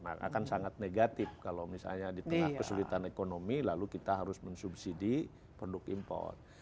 nah akan sangat negatif kalau misalnya di tengah kesulitan ekonomi lalu kita harus mensubsidi produk impor